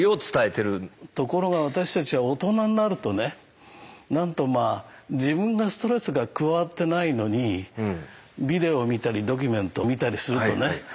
ところが私たちは大人になるとねなんとまあ自分がストレスが加わってないのにビデオを見たりドキュメントを見たりするとね泣くでしょ。